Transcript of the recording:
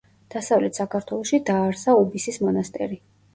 დასავლეთ საქართველოში დააარსა უბისის მონასტერი.